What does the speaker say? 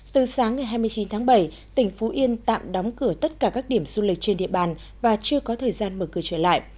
từ sáng ngày hai mươi chín tháng bảy tỉnh phú yên tạm đóng cửa tất cả các điểm du lịch trên địa bàn và chưa có thời gian mở cửa trở lại